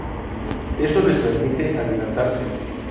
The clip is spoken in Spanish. Eso les permite adelantarse.